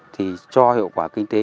thì cho hiệu quả kinh tế